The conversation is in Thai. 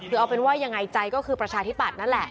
คือเอาเป็นว่ายังไงใจก็คือประชาธิบัตย์นั่นแหละ